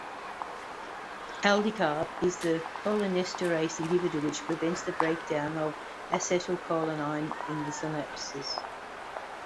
Aldicarb is a cholinesterase inhibitor which prevents the breakdown of acetylcholine in the synapse.